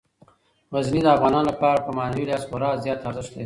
غزني د افغانانو لپاره په معنوي لحاظ خورا زیات ارزښت لري.